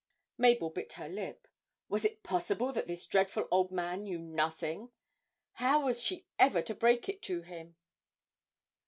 Mabel bit her lip. Was it possible that this dreadful old man knew nothing how was she ever to break it to him?